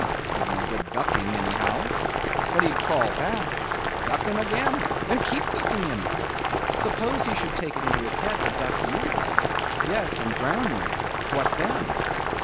"Give him a good ducking, anyhow." "But he'd crawl back." "Duck him again; and keep ducking him." "Suppose he should take it into his head to duck you, though—yes, and drown you—what then?"